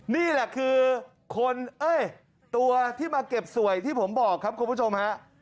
นี่แหละคือคนเอ้ยตัวที่มาเก็บสวยที่ผมบอกครับคุณผู้ชมฮะ